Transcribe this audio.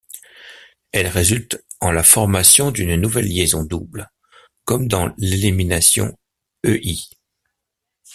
Elles résultent en la formation d'une nouvelle liaison double, comme dans l'élimination Ei.